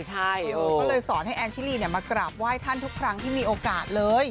ก็เลยสอนให้แอนชิลีมากราบไหว้ท่านทุกครั้งที่มีโอกาสเลย